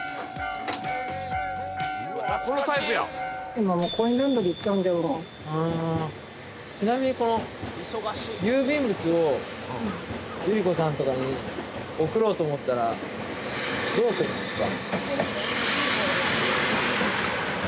今もうコインランドリー行っちゃうんでちなみにこの郵便物をゆり子さんに送ろうと思ったらどうすればいいんですか？